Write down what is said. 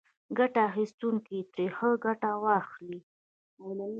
ګټه اخیستونکي ترې ښه ګټه واخلي.